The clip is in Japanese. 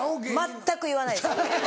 全く言わないです。